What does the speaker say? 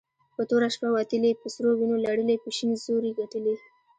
په توره شپه وتلې په سرو وينو لړلې په شين زور يي ګټلې